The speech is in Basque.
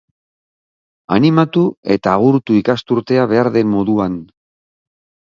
Animatu eta agurtu ikasturtea behar den moduan!